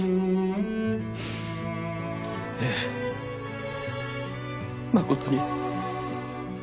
ええ誠に。